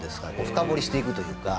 深掘りしていくというか。